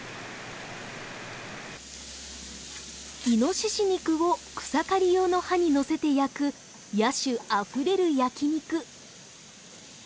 イノシシ肉を草刈り用の刃にのせて焼く野趣あふれる焼き肉。